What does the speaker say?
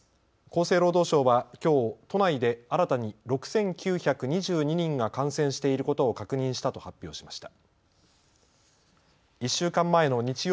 厚生労働省はきょう都内で新たに６９２２人が感染していることを確認したと発表しました。